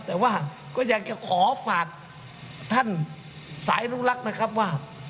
แต่ว่าก็อยากจะขอฝากท่านสายอนุรักษ์นะครับว่า